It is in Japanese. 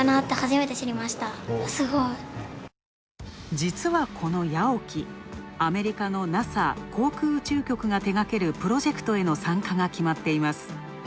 実はこのＹＡＯＫＩ、アメリカのＮＡＳＡ＝航空宇宙局が手がけるプロジェクトへの参加が決まっています。